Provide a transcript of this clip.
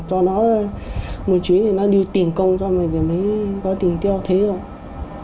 cho nó mùi trí thì nó đi tìm công cho mình thì mới có tình tiêu thế rồi